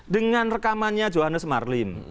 dengan rekamannya johannes marlim